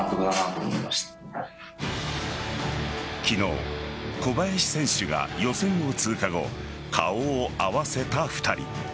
昨日、小林選手が予選を通過後顔を合わせた２人。